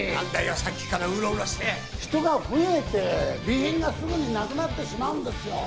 さっきからウロウロして人が増えて備品がすぐになくなってしまうんですよ